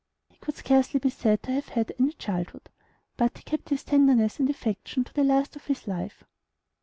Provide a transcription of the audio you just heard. He could scarcely be said to have had any childhood; but he kept his tenderness and affection to the last of his life.